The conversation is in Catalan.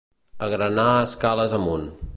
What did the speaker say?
Agranar escales amunt.